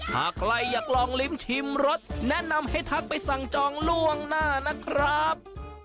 หากใครอยากลองลิ้มชิมรสแนะนำให้ทักไปสั่งจองล่วงหน้านะครับ